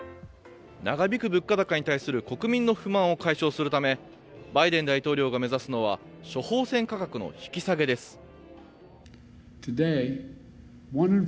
長引く物価高に対する国民の不満を解消するためバイデン大統領が目指すのは処方せん価格の引き下げです。